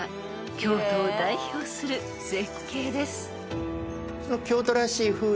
［京都を代表する絶景です］